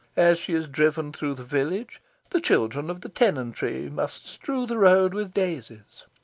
As she is driven through the village, the children of the tenantry must strew the road with daisies.